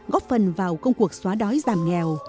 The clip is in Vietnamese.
góp phần vào công cuộc xóa đói giảm nghèo